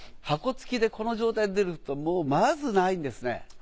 箱付きでこの状態で出ることはもうまずないんですね。